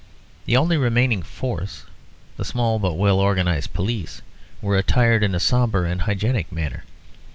The only remaining force, the small but well organised police, were attired in a sombre and hygienic manner.